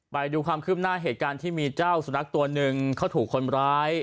ไปดูความคืบหน้าเหตุการณ์ที่มีเจ้าสุนัขตัวหนึ่งเขาถูกคนร้าย